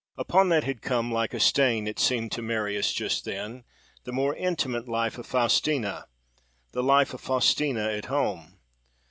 Upon that had come—like a stain! it seemed to Marius just then—the more intimate life of Faustina, the life of Faustina at home.